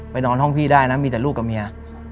นอนห้องพี่ได้นะมีแต่ลูกกับเมีย